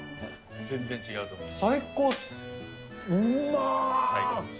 全然違うと思います。